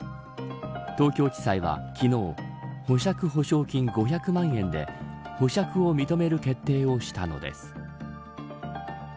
東京地裁は昨日保釈保証金５００万円で保釈を認める決定をしたのです。